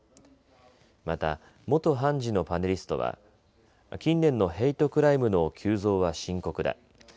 また元判事のパネリストは近年のヘイトクライムの急増は深刻だ。